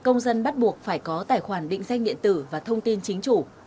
để sử dụng công dân bắt buộc phải có tài khoản định danh điện tử và thông tin chính chủ